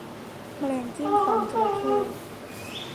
แมลงจิ้มฟันจระเข้